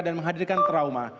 dan menghadirkan trauma